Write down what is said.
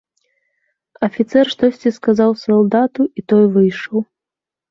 Афіцэр штосьці сказаў салдату, і той выйшаў.